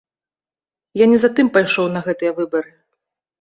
Я не за тым пайшоў на гэтыя выбары.